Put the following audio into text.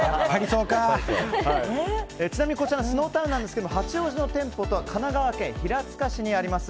ちなみにこちらのスノータウンは八王子の店舗と神奈川県平塚市にあります